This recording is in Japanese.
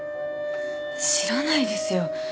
知らないですよ。